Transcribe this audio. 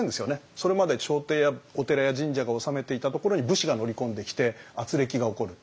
それまで朝廷やお寺や神社が治めていたところに武士が乗り込んできてあつれきが起こるって。